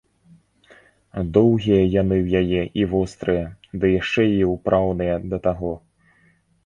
Доўгія яны ў яе і вострыя, ды яшчэ і ўпраўныя да таго.